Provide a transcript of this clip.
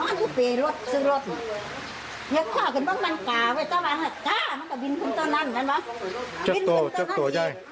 มันก็เลยบินหนีก็เลยเหล่าไปแต่ว่ามันจะไม่เป็นจริง